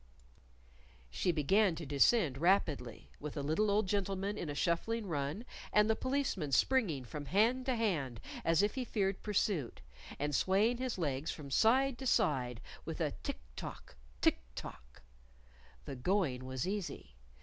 She began to descend rapidly, with the little old gentleman in a shuffling run, and the Policeman springing from hand to hand as if he feared pursuit, and swaying his legs from side to side with a tick tock, tick tock. The going was easy.